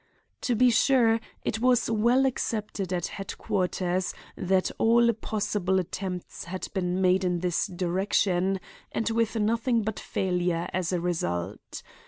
To be sure, it was well accepted at headquarters that all possible attempts had been made in this direction and with nothing but failure as a result.